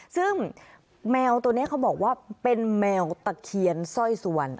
ซึ่งแมวตัวนี้เขาบอกว่าเป็นแมวตะเคียนสร้อยสุวรรณ